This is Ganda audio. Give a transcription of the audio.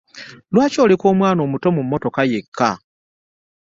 Lwaki oleka omwana omuto mu mmotoka yeka?